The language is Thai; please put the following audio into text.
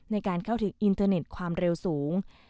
ในการเข้าถึงอินเทอร์เน็ตความเร็วสูง